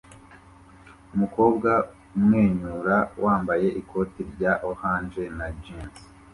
Umukobwa umwenyura wambaye ikoti rya orange na jans